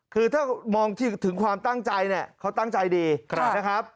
คือถ้ามองถึงความตั้งใจเนี่ยเขาตั้งใจดีนะครับ